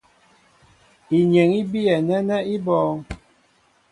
Inyeŋ í biyɛ nɛ́nɛ́ í bɔ̄ɔ̄ŋ.